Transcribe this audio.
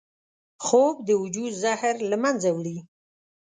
خوب د وجود زهر له منځه وړي